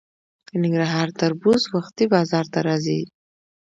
د ننګرهار تربوز وختي بازار ته راځي.